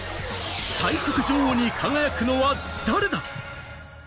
最速女王に輝くのは誰だ。